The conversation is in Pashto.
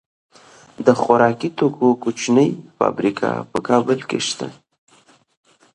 د خوراکي توکو کوچنۍ فابریکې په کابل کې شته.